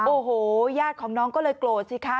โอ้โหญาติของน้องก็เลยโกรธสิคะ